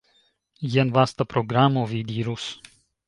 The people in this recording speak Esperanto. Jen vasta programo, vi dirus.